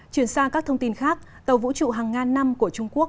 chuyển sang các thông tin khác tàu vũ trụ hàng ngàn năm của trung quốc